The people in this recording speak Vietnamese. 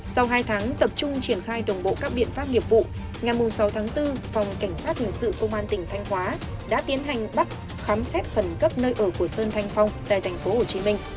sau hai tháng tập trung triển khai đồng bộ các biện pháp nghiệp vụ ngày sáu tháng bốn phòng cảnh sát hình sự công an tỉnh thanh hóa đã tiến hành bắt khám xét khẩn cấp nơi ở của sơn thanh phong tại tp hcm